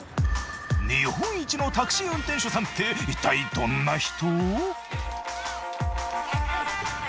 日本一のタクシー運転手さんっていったいどんな人？